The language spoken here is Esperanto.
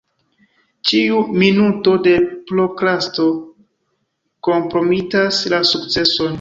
Ĉiu minuto de prokrasto kompromitas la sukceson.